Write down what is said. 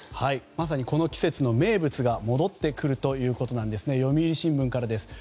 まさにこの季節の名物が戻ってくるということなんですね読売新聞からです。